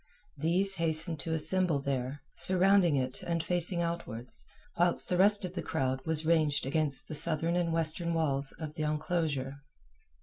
These hastened to assemble there, surrounding it and facing outwards, whilst the rest of the crowd was ranged against the southern and western walls of the enclosure.